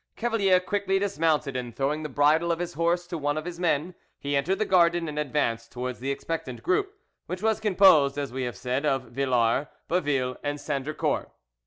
Cavalier quickly dismounted, and throwing the bridle of his horse to one of his men, he entered the garden, and advanced towards the expectant group, which was composed, as we have said, of Villars, Baville, and Sandricourt.